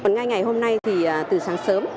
ngay ngày hôm nay thì từ sáng sớm